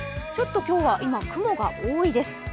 ちょっと今日は今、雲が多いです。